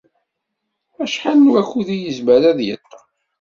Acḥal n wakud i yezmer ad yeṭṭef?